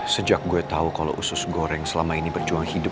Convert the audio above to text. sejak gue tahu kalau usus goreng selama ini berjuang hidup